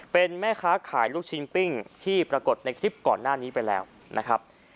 เป็นแม่ค้าขายลูกชิ้นปิ้งที่ปรากฏในคลิปก่อนหน้านี้ไปแล้วนะครับ